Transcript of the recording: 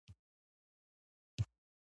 کورس د عمل ساحه پراخوي.